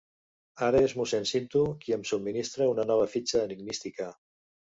Ara és mossèn Cinto qui em subministra una nova fitxa enigmística.